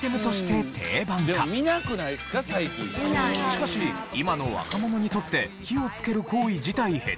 しかし今の若者にとって火をつける行為自体減っている中。